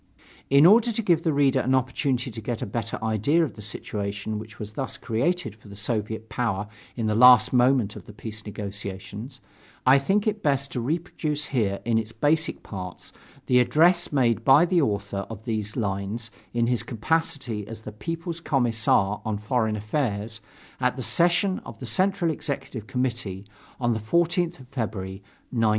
In order to give the reader an opportunity to get a better idea of the situation which was thus created for the Soviet power in the last moment of the peace negotiations, I think it best to reproduce here in its basic parts the address made by the author of these lines in his capacity as the People's Commissar on Foreign Affairs at the session of the Central Executive Committee on the 14th of February, 1918.